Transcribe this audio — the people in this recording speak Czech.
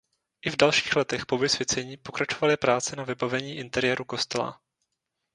I v dalších letech po vysvěcení pokračovaly práce na vybavení interiéru kostela.